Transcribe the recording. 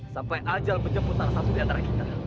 sampai ajal menjemput salah satu diantara kita